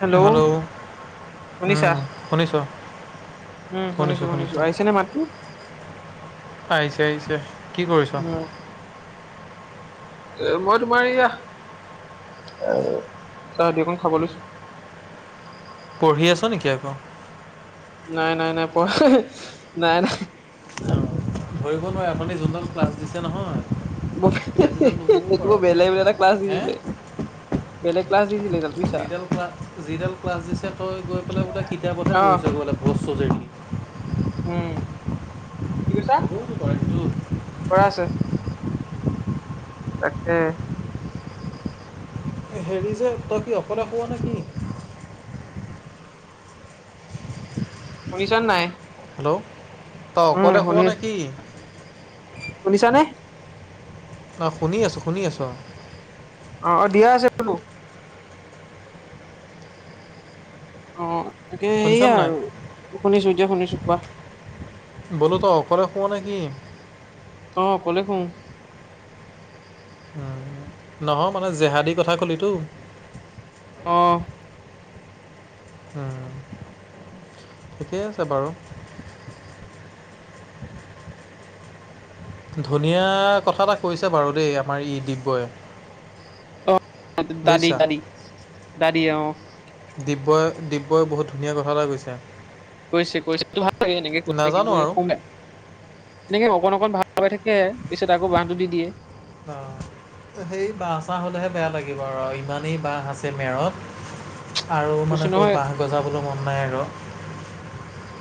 Hello hello শুনিছা? উম শুনিছ। উম' শুনিছো শুনিছোঁ শুনিছো। শুনিছোঁ আহিছে নে মাততো? আহিছে আহিছে কি কৰিছ? উম এ মই তোমাৰ এয়া চাহ ৰুতিএখন খাব লৈছো। পঢ়ি আছা নেকি আকৌ। নাই নাই নাই পঢ়া নাই নাই নাই পঢ়া। ধৰিব নোৱাৰে আপুনি যোনজন ক্লাছ দিছে নহয়। কিতাপ চিতাপ নুবুকো পাৰ সেইটো আকৌ বেলেগ এটা ক্লাছ দি হে দিলে। বেলেগ ক্লাছ দি দিলে এইডাল বুইছা। যিডাল ক্লাছ যিডাল ক্লাছ দিছে তই গৈ পেলাই বোলে কিতাপতহে অ বহিছ গৈ বস্ত্ৰ দেখি উম কি কৈছা হ'বওতো পাৰে কিন্তু কৰা আছে। তাকে। হেৰি যে তই কি অকলে শোৱ নে কি। শুনিছ নাই। হেল্ল' তই উম অকলে শুৱ নে কি? শুনিছ নে। অ', শুনি আছো শুনি আছো। অ', অ দিয়া আছে বোলোঁ। অ', তাকে শুনিছ সেয়া নাই আৰু শুনিছো এতিয়া শুনিছো কোৱা। বোলো তই অকলে শুৱ নে কি? অ কলে শু অ নহয় মানে জেহাদীৰ কথা ক'লি টো। অ'। অ ঠিকেই আছে বাৰু। ধুনীয়া কথা এটা কৈছে বাৰু দেই আমাৰ ই দিব্যয়ে। অ', দাদি দাদি দাদি অ। দিব্যই দিব্যই বহুত ধুনীয়া কথা এটা কৈছে কৈছে কৈছে ভাল লাগে এনেকে কৈছে নাজানো কিন্তু এই আৰু এনেকে অকণ অকণ ভাল হৈ থাকে পিছত আকৌ বাঁহটো দি দিয়ে অ সেই বাঁহ চাহ হলেহে বেয়া লাগিব আৰু ইমানেই বাঁহ আছে মেৰত আৰু মানে কৈছো তোৰ নহয় বাঁহ গজাবলেও মন নাই আৰু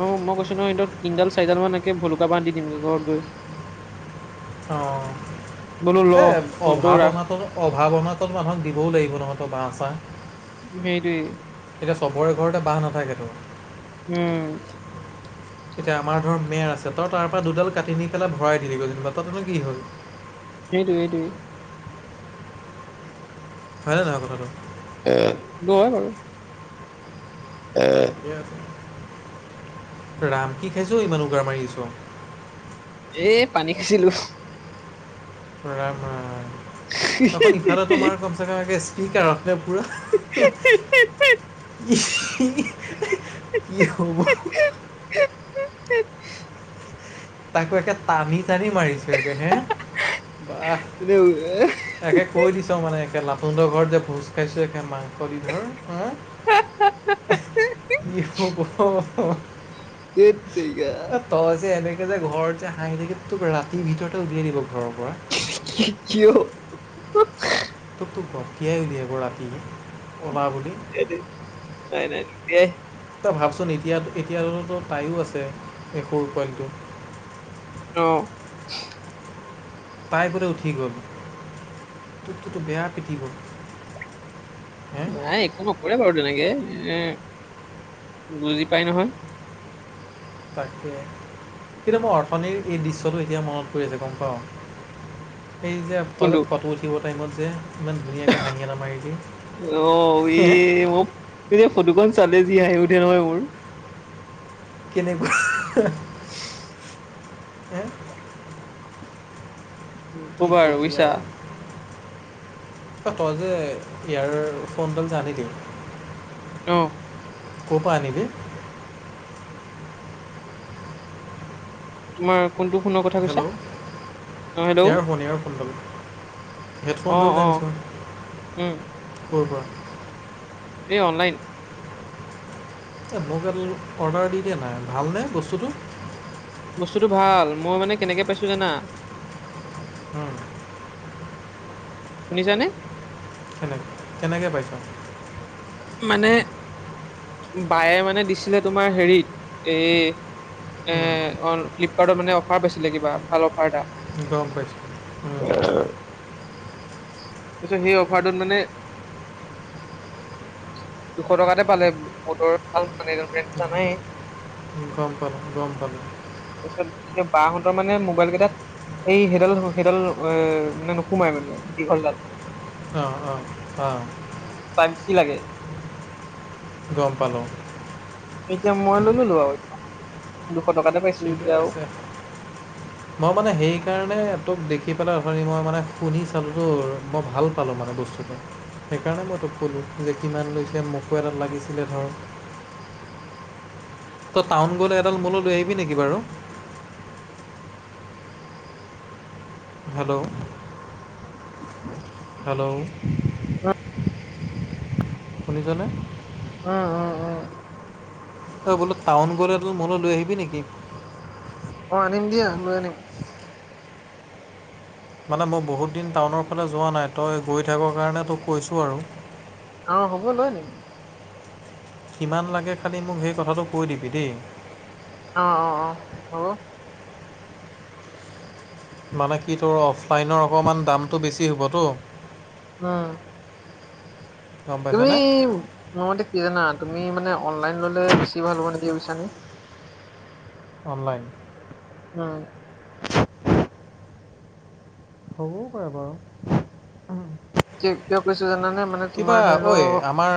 অ মই কৈছো নহয় সেইটো তিনডাল চাৰিডাল মান একে ভলুকা বাঁহ দি দিমগে ঘৰত গৈ অঁ বোলো ল এ তহতৰো অভাৱ ৰাস অনাতন অভাৱ অনাতন মানুহক দিবও লাগিব নহঁয় তই বাঁহ চাঁহ সেইটোৱে এতিয়া চবৰে ঘৰতে বাঁহ নাথাকে তো উম এতিয়া আমাৰ ধৰ মেৰ আছে তই তাপা দুডাল কাটি নি পেলাই ভৰাই দিলি গৈ যেনিবা তাতে নো কি হ'ল সেইটোৱে সেইটোৱে হয় নে নহয় কথাটো এ সেইটো হয় বাৰু ৰাম কি খাইছ অ ইমান উগাৰ মাৰিছ এ পানী খাইছিলো ৰাম ৰাম অকণ ইফালে তোমাৰ কম [unintelligible] ককে স্পিকাৰখে পুৰা কি হ'ব। [inaudible] তাকো একে টানি টানি মাৰিছে একে হে, বোৱাঃ ধেৎ একে কৈ দিছো মানে একে লাতুন্দৰ ঘৰত যে ভোজ খাইছো একে মা খ ধৰ হা কি হ'ব ধেৎ তেৰিকা। তই যে এনেকে যে ঘৰত যে হাঁহি থাকি তোক ৰাতিৰ ভিতৰতে উলিয়াই দিব ঘৰৰ পৰা। কি কি কিয়? তোক তোক গটিয়াই উলিয়াব ৰাতি ওলা বুলি। নাই নাই নোলিয়াই। তই ভাবচোন এতিয়া এতিয়তো তাইয়ো আছে এই সৰু পোৱালটো। অঁ। তাই বোলে উঠি গ'ল, তুকটোতো বেয়া পিটিব। হে নাই একো নকৰে বাৰু তেনেকে। এ বুজি পায় নহয়। তাকে, কিন্তু মোৰ অৰ্থনিৰ এই দৃশ্যটো এতিয়া মনত পৰি আছে গম পাওঁ। এই যে তই কোনটো যে ফটো উঠিব টাইমত যে। ইমান ধুনীয়াকৈ হাঁহি এটা মাৰিলি অ হে এই ম তেতিয়া ফটোখন চালে যি আহি উঠে নহয় মোৰ। কেনেকুৱা। [inaudible] হে? কি নক'বা কবি বুইছা। আৰু। অ তই যে ইয়েৰ ফোনডালযে অনিলি অঁহ। ক'ৰ পৰা আনিলি? তোমাৰ কোনটো ফোনৰ কথা কৈছা? হেল্ল' অ হেল্ল'! ইয়াৰফোন ইয়াৰফোনডাল হেডফোনডাল যে অহ আনিছ অহ উম। কৰ পৰা? এই অনলাইন। এই মোক এাল অৰ্ডাৰ দি দে না। ভালনে বস্তুটো? বস্তুটো ভাল। মই মানে কেনেকে পাইছো জানা? উম। শুনিছানে? কেনেকে কেনেকে পাইছা? মানে বায়ে মানে দিছিলে তোমাৰ হেৰিত এই এ অ ফ্লিপ কাৰ্টত মানে অফাৰ পাইছিলে কিবা ভাল অফাৰ এটা। গম পাইছোঁ তাৰপিছত সেই অফাৰটোত মানে। দুশ টকাতে পালে বুটৰ ভাল মানে এইডাল ব্ৰেণ্ডটো জানাই। গম পালো গম পালো। তাৰপিছত এতিয়া বাহঁতৰ মানে মোবাইল কেইটাত এই সেইডাল সেইডাল এ মানে নোসোমাই মানে দীঘলডাল। অঁ অঁ অঁ। টাইপ চি লাগে। গম পালোঁ এতিয়া মই লৈললো আউ দুশ টকাতে পাইছ ঠিকেই আছে মই মানে সেইকাৰণে তোক দেখি পেলাই অথনি মই মানে শুনি চালোঁতো মই ভাল পালোঁ মানে বস্তুটো সেইকাৰণে মই তোক ক'লোঁ যে কিমান লৈছিলে মোকো এডাল লাগিছিলে ধৰ ত টাউন গ'লে এডাল মুলো লৈ আহিবি নেকি বাৰু হেল্ল' হেল্ল' শুনিছনে উ উ উ তই বোলো টাউন গ'লে এডাল মুলোঁ লৈ আহিবি নেকি অ আনিম দিয়া লৈ আনিম মানে মই বহুত দিন টাউনৰ ফালে যোৱা নাই তই গৈ থাক কাৰণে তোক কৈছোঁ আৰু অ হ'ব লয় আনিম কিমান লাগে খালি মোক সেই কথাটো কৈ দিবি দেই অ অ অ হ'ব মানে কি তোৰ অফলাইনৰ অকমান দামটো বেছি হ'বতো উম গম তুমি পাইছনে মোৰ মতে কি জানা তুমি মানে অনলাইন ললে বেছি ভাল হ'ব নেকি বুইছানে অনলাইন উম হ'বও পাৰে বাৰু উম কি কিয় কৈছো জানানে মানে তোমাৰ ধৰি ল মাৰ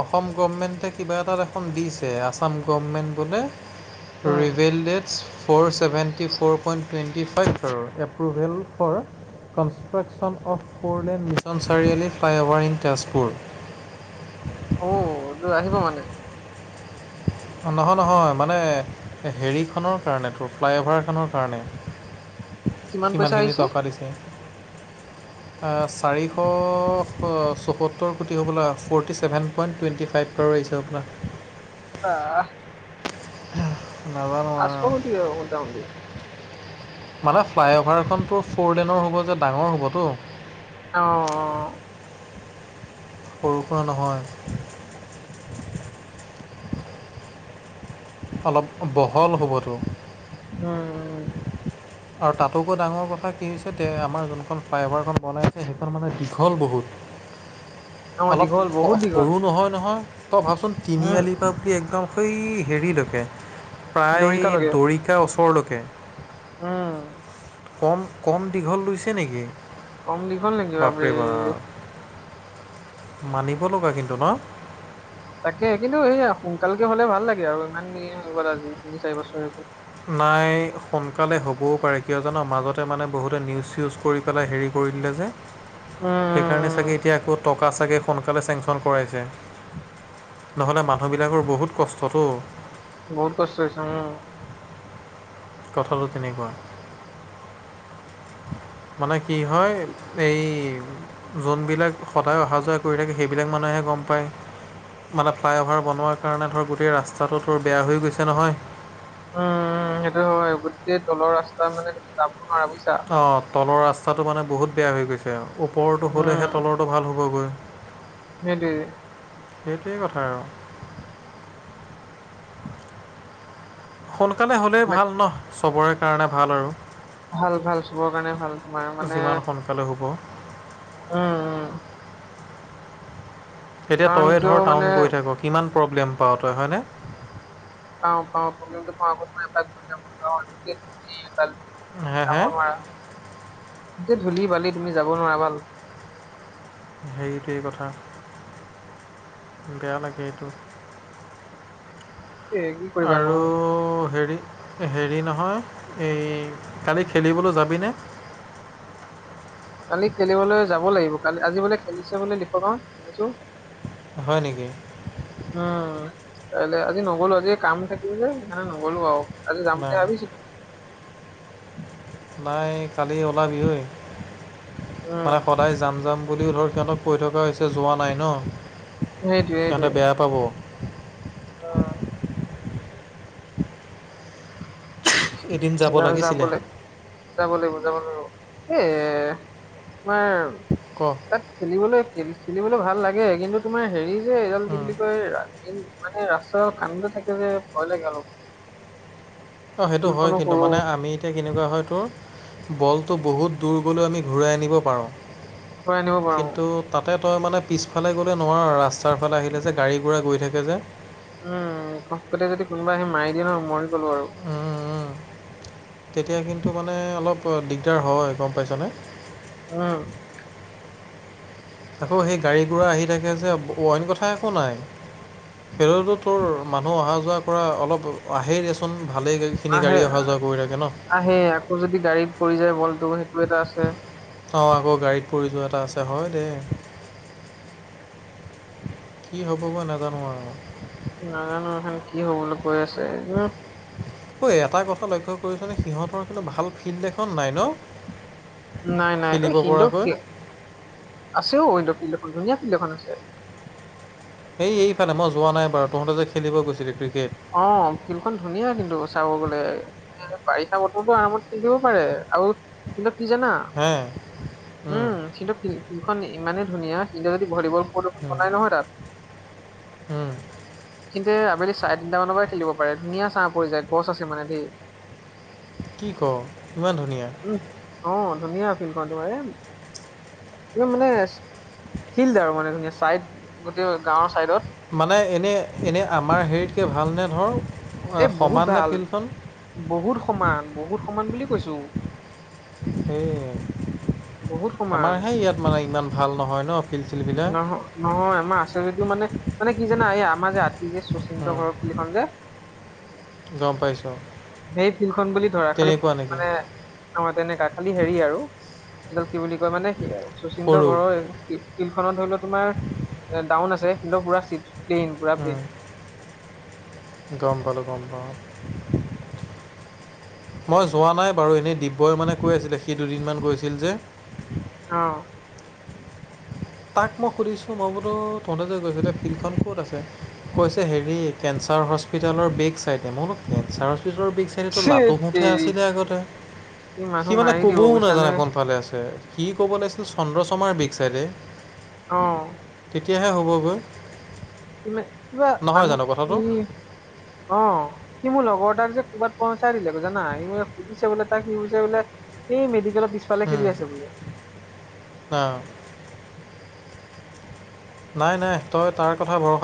অসম গভমেণ্টে কিবা এটা দেখোন দিছে আসাম গভমেণ্ট বোলে um revalidates four seventy four point twenty five আৰু approval for construction of four lane mission Chariali flyover in Tezpur অউ টো আহিব মানে নহয় নহয় মানে হে হেৰিখনৰ কাৰণে তোৰ ফ্লাইঅভাৰখনৰ কাৰণে কিমান পইচা সিমানখিনি আহিছে টকা দিছে আ চাৰিশ চ চৌসত্তৰ কোটি হ'বলা forty seven point twenty five আৰু আহিছিলে হপলা বাহ নাজানো আছো আৰু দিয়া মোটামুটি মানে ফ্লাইঅ'ভাৰখনতো ফ'ৰ লেনৰ হ'ব যে ডাঙৰ হ'বতো অ সৰু সুৰা নহয় অলপ বহল হ'বতো উম আৰু তাতোকৈ ডাঙৰ কথা কি হৈছে তে আমাৰ যোনখন ফ্লাইঅ'ভাৰখন বনাইছে সেইখন মানে দীঘল অ বহুত অলপ দীঘল অ বহুত দীঘল সৰু নহয় নহয় তই ভাবচোন উম তিনিআলিৰ পৰা বুলি একদম সৈই হেৰিলৈকে প্ৰায় দৰিকালৈকে দৰিকা ওচৰলকে উ কম কম দীঘল লৈছে নেকি কম দীঘল নেকি বাপৰে মানিব লগা কিন্তু ন। তাকে কিন্তু সেইয়া সোনকালকে হলে ভাল লাগে আৰু ইমান দিন হৈ গ'ল আজি তিনি চাৰি বছৰৰ। নাই সোনকালে হ'বও পাৰে কিয় জানো মাজতে মানে বহুতে নিউজ ইউজ কৰি পেলাই হেৰি কৰি দিলে যে। [unintelligible] উম। সেইকাৰণে উম, চাগে এতিয়া আকৌ টকা চাগে সোনকালে চেংচন কৰাইছে। নহ'লে মানুহবিলাকৰ বহুত কষ্টতো। বহুত কষ্ট হৈছে উম। কথাটো তেনেকুৱা। মানে কি হয় এই- যোনবিলাক সদায় অহা যোৱা কৰি থাকে সেইবিলাক মানুহে গম পায়। মানে ফ্লাই অভাৰ বনোৱাৰ কাৰণে ধৰ গোটেই ৰাস্তাটো তোৰ বেয়া হৈ গৈছে নহয়। উম সেইটো হয় গোটেই তলৰ ৰাস্তা মানে তুমি যাব নোৱাৰা বুজিছা। অ তলৰ ৰাস্তাটো মানে বহুত বেয়া হৈ গৈছে ওপৰৰতটো হ'লেহে উম তলৰ টো ভাল হ'বগৈ। সেইটোৱে। সেইটোৱেই কথা আৰু। সোনকালে হ'লেই বাক ভাল ন চবৰে কাৰণে ভাল আৰু। ভাল ভাল চবৰ কাৰণে ভাল। তোমাৰ মানে যিমান সোনকালে হ'ব। উম। উম এতিয়া কাৰণ তয়েই কিয় ধৰ মানে টাউন গৈ থাক কিমান প্ৰব্লেম পাৱ তই হয়নে। পাওঁ পাওঁ প্ৰবলেমটো পাওঁ [unintelligible] যাব নোৱাৰা, হে হে গোটেই ধূলি বালি তুমি যাব নোৱাৰা ভাল। সেইটোৱেই কথা, বেয়া লাগে এইটো। এ কি কৰিবা নো আৰু হেৰি- হেৰি নহয় এই কালি খেলিবলৈ যাবিনে? কালি খেলিবলৈ যাব লাগিব কালি আজি মানে খেলিছে মানে [unintelligible] শুনিছোঁ। হয় নেকি। উম, কাইলৈ আজি নগলো আজি কাম থাকিল যে সেইকাৰণে নগলো আৰু আজি যাম নাই বুলি ভাবিছিলো। নাই কালি ওলাবি অই, উম মানে সদায় যাম যাম বুলিও ধৰ সিহঁতক- কৈ থকা হৈছে যোৱা নাই ন। সেইটোৱে সিহঁতে সেইটোৱে। বেয়া পাব। উম। [unintelligible] কেতিয়া জাব লাগিছিলে লাগে। যাব লাগিব যাব লাগিব, এই তোমাৰ- ক? তাত খেলিবলৈ খেলিবলৈ ভাল লাগে কিন্তু তোমাৰ হেৰি যে এইডাল কি ক বুলি কয় ৰামেইন- মানে ৰাস্তা অ, 'খান্দা থাকে যে ভয় লাগে অলপ। অ, 'সেইটো হয় ফিল্ডখনো কিন্তু সৰু মানে আমি- এতিয়া কেনেকুৱা হয় তোৰ, বলটো বহুত দূৰ গলে আমি ঘূৰাই আনিব পাৰো। ঘূৰাই আনিব পাৰো। কিন্তু- তাতে তই মানে পিছফালে গ'লে নোৱাৰ আৰু ৰাস্তাৰ ফালে আহিলে যে গাড়ী গুড়ৰা গৈ থাকে যে। উম, ফতকে যদি কোনোবা আহি মাৰি দিয়ে নহয় মৰি গ'লো আৰু। উম, উম, তেতিয়া কিন্তু মানে অলপ দিগদাৰ হয় গম পাইছনে? উম। আকৌ সেই গাড়ী গোৰা আহি থাকে যে অইন কথা একো নাই। খেলটো তোৰ মানুহ অহা যোৱা কৰা অলপ আহেই দেচোন ভালেই বহুতখিনি গাড়ী অহা যোৱা কৰি থাকে ন। আহেই আকৌ যদি গাড়ীত পৰি যায় বলটো সেইটো এটা আছে। অ', আকৌ গাড়ীত পৰি যোৱা এটা আছে হয় দে। কি হ'ব বা নাজানো আৰু। নাজানো এখন কি হ'বলৈ কৈ আছে উম। ঐ এটা কথা লক্ষ্য কৰিছনে সিহঁতৰ কিন্তু ভাল ফিল্ড এখন নাই ন? নাই নাই অ', ঐ খেলিব কিন্তু পৰাকৈ আছে অ' সিহঁতৰ ফিল্ড এখন ধুনীয়া ফিল্ড এখন আছে। এই এইফালে মই যোৱা নাই বাৰু তহঁতে যে খেলিব গৈছিলি ক্ৰিকেট। অ', ফিল্ডখন ধুনীয়া কিন্তু চাব গ'লে। বাৰিষা বতৰটো আৰামত খেলিব পাৰে আৰু কিন্তু কি জানা? হে উম, কিন্তু ফিল্ড ফিল্ডখন ইমানেই ধুনীয়া কিন্তু যদি ভলিবল প্ৰদূষণ উম, বনাই নহয় তাত। উম। কিন্তু আবেলি চাৰে তিনিটা মানৰ পৰা খেলিব পাৰে ধুনীয়া ছাঁ পৰি যায় গছ আছে মানে ধেই। কি ক ইমান ধুনীয়া! উম, অ' ধুনীয়া ফিল্ডখন তোমাৰে। একদম মানে ফিল্ড আৰু মানে ধুনীয়া চাইদ গোটেই গাঁৱৰ চাইডত। মানে এনেই এনেই আমাৰ হেৰিতকে ভালনে ধৰ? এ আহ, বহুত সমান নে ভাল ফিল্ডখন বহুত সমান বহুত সমান বুলি কৈছো। সেইয়া বহুত আমাৰ সমান হে ইয়াত মানে ইমান ভাল নহয় ন? ফিল্ড চিল্ডবিলাক নহয়। নহয় আমাৰ আছে যদিও মানে মানে কি জানা এই আমাৰ যে আতি যে শচীন্দ উম, ঘৰৰ ফিল্ডখন যে। গম পাইছোঁ সেই ফিল্ডখন বুলি ধৰা খালি তেনেকুৱা নেকি মানে অ', তেনেকা খালি হেৰি আৰু এডাল কি বুলি কয় মানে শচীন্দ সৰু ঘৰৰ ফিল্ডখনত ধৰি লওঁ তোমাৰ ডাউন আছে কিন্তু পুৰা [unintelligible] উম, গম পালোঁ গাম পাওঁ। মই যোৱা নাই বাৰু এনেই দিব্যই মানে কৈ আছিলে সি দুদিনমান কৈছিল যে। অ'। তাক মই সুধিছোঁ মই বোলো তহঁতে যে গৈছিলি ফিল্ডখন ক'ত আছে? কৈছে হেৰি কেঞ্চাৰ হস্পিতালৰ বেক চাইডে, মই বোলো কেঞ্চাৰ হস্পিতালৰ বেক সেইটোতো লাটো ধেৎ ফুঠে তেৰি আছিলে আগতে, ই সি মানুহ মানে মাৰি দিব ক'বও বুজিছানে নাজানে কোনফালে আছে। সি ক'ব লাগিছিল চন্দ্ৰচমাৰ বেক চাইডে। অ'। তেতিয়াহে হ'বগৈ। সি মানে কিবা নহয় মানুহ জানো সি কথাটো অ', সি মোৰ লগৰ এতাক যে ক'ৰবাত পহোচাই দিলে জানা! সি বোলে সুধিছে বোলে তাক সি কৈছে বোলে এই মেডিকেলৰ পিছফালে খেলি আছে বোলে। অ'। নাই নাই, তই তাৰ কথা ভৰষা